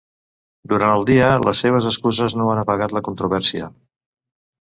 Durant el dia, les seves excuses no han apagat la controvèrsia.